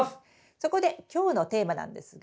そこで今日のテーマなんですが。